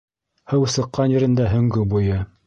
Һыу сыҡҡан ерендә һөңгө буйы.